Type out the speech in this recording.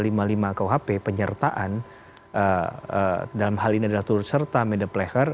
tapi kalau terdakwa lain dari tiga ratus empat puluh khp penyertaan dalam hal ini adalah turut serta medepleher